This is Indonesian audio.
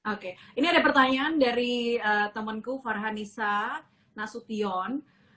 oke ini ada pertanyaan dari temenku farhanisa nasution